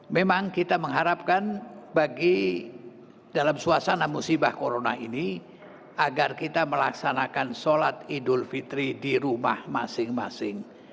memang kita mengharapkan bagi dalam suasana musibah corona ini agar kita melaksanakan sholat idul fitri di rumah masing masing